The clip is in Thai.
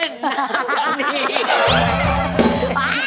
นั่นด้วย